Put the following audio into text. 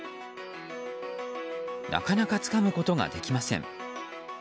なかなかつかむことができません。